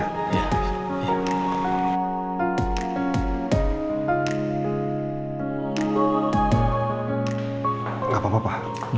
tidak apa apa pa